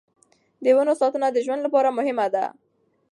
د ونو ساتنه د ژوند لپاره مهمه ده.